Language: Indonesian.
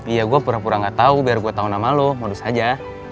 iya gue pura pura gak tau biar gue tau nama lu modus aja